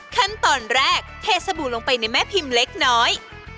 ขั้นตอนแรกเทสบู่ลงไปในแม่พิมพ์เล็กน้อย